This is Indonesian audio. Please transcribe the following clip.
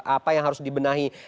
apa yang harus dibenahi